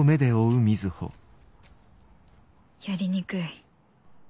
やりにくい。